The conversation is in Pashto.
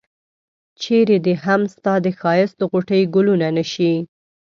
چرې دي هم ستا د ښایست غوټۍ ګلونه نه شي.